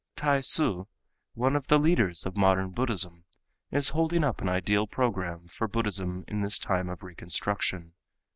T'ai Hsu, one of the leaders' of modern Buddhism, is holding up an ideal program for Buddhism in this time of reconstruction.